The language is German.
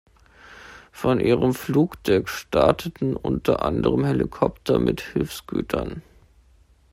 Von ihrem Flugdeck starteten unter anderem Helikopter mit Hilfsgütern.